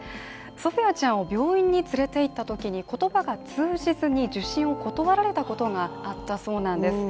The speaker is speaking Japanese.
ソフィアちゃんを病院につれていったときに、言葉が通じず、受診を断られたことがあったそうです。